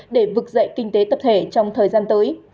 để vực dậy kinh tế tập thể trong thời gian tới